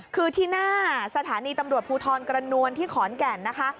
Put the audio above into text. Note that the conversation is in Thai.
คือที่หน้าสถานีตำรวจภูทรกระนวลที่ขอนแก่นนะคะ